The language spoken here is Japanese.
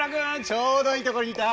ちょうどいいところにいた。